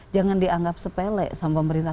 jangan dianggap sepele sama pemerintah